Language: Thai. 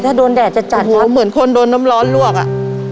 ถ้าโดนแดดจัดจัดเหมือนคนโดนน้ำร้อนลวกอ่ะ